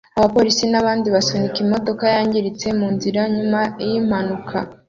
Abapolisi n'abandi basunika imodoka yangiritse mu nzira nyuma y'impanuka